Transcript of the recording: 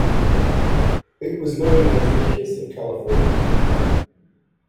It was known as the Kiss of California.